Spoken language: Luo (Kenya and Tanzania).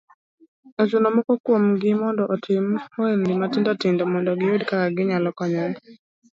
Ochuno moko kuom gi mondo otim ohelni matindo tindo mondo giyud kaka gikonyore.